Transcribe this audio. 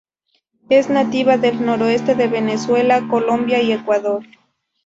Es nativa del noroeste de Venezuela, Colombia y Ecuador.